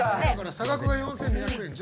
差額が４，２００円じゃん。